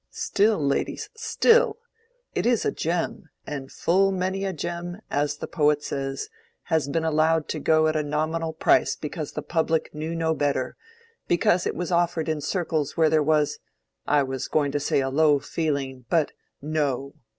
Still, ladies, still! It is a gem, and 'Full many a gem,' as the poet says, has been allowed to go at a nominal price because the public knew no better, because it was offered in circles where there was—I was going to say a low feeling, but no!